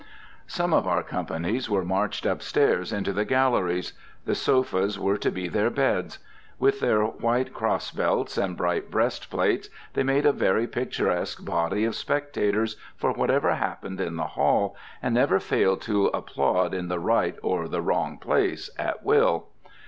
Some of our companies were marched up stairs into the galleries. The sofas were to be their beds. With their white cross belts and bright breastplates, they made a very picturesque body of spectators for whatever happened in the Hall, and never failed to applaud in the right or the wrong place at will.